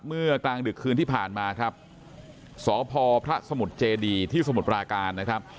กลางดึกคืนที่ผ่านมาครับสพพระสมุทรเจดีที่สมุทรปราการนะครับ